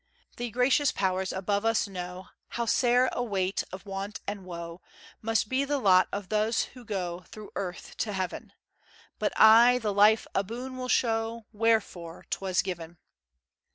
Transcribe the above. The gracious powers above us, know How sair a weight of want and woe Must be the lot of those who go Through Earth to Heaven; But aye, the life aboon will show Wherefore 'twas given.